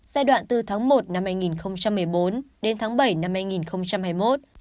giai đoạn từ tháng một năm hai nghìn một mươi bốn đến tháng bảy năm hai nghìn hai mươi một